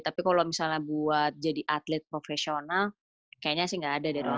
tapi kalau misalnya buat jadi atlet profesional kayaknya sih gak ada dari orang tua